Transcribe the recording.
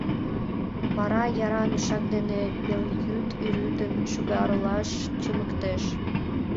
Вара яра мешак дене пелйӱд рӱдын шӱгарлаш чымыктыш.